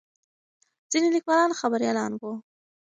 ځینې لیکوالان خبریالان وو.